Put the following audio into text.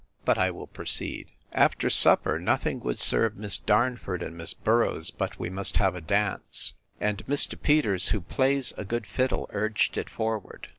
But I will proceed. After supper, nothing would serve Miss Darnford and Miss Boroughs, but we must have a dance; and Mr. Peters, who plays a good fiddle, urged it forward.